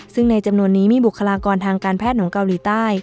ซึ่งในจำนวนนี้มีบุคลากรทางการแพทย์ของเกาหลีใต้